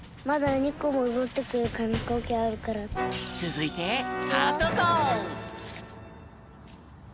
つづいてハート号。